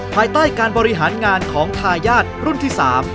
ภายใต้การบริหารงานของทายาทรุ่นที่๓